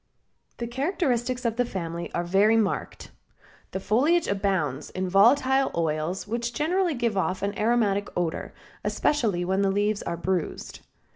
The characteristics of the family are very marked. The foliage abounds in volatile oils which generally give off an aromatic odor, especially when the leaves are bruised.